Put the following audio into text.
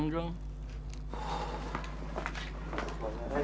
nggak usah maksain